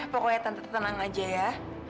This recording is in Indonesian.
pokoknya tetap tenang aja ya